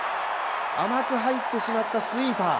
甘く入ってしまったスイーパー。